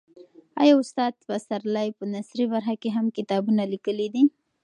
آیا استاد پسرلی په نثري برخه کې هم کتابونه لیکلي دي؟